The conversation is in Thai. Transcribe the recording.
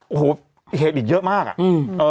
โอ้โหเหตุอีกเยอะมากอ่ะ